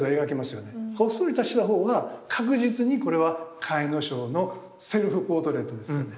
ほっそりとした方は確実にこれは甲斐荘のセルフポートレートですよね。